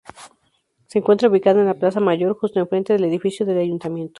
Se encuentra ubicada en la plaza Mayor justo enfrente del edificio del Ayuntamiento.